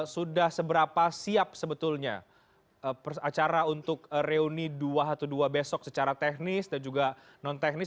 sudah seberapa siap sebetulnya acara untuk reuni dua ratus dua belas besok secara teknis dan juga non teknis